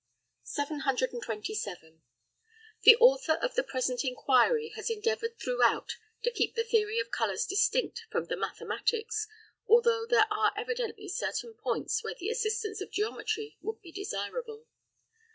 727. The author of the present inquiry has endeavoured throughout to keep the theory of colours distinct from the mathematics, although there are evidently certain points where the assistance of geometry would be desirable.